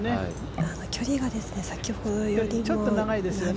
距離が先ほどよりも長いですね。